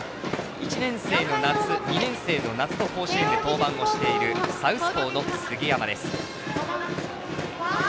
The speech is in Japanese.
１年生の夏、２年生の夏と甲子園で登板しているサウスポーの杉山。